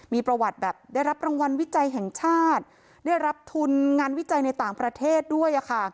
มีประวัติแบบได้รับรางวัลวิจัยแห่งชาติได้รับทุนงานวิจัยในต่างประเทศด้วย